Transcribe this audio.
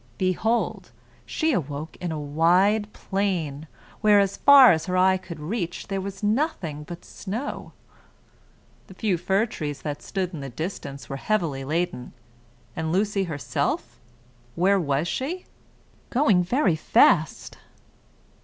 Behold, she awoke in a wide plain, where as far as her eye could reach there was nothing but snow. The few fir trees that stood in the distance were heavily laden; and Lucy herself, where was she? Going very fast?